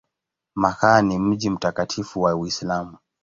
Makka ni mji mtakatifu wa Uislamu.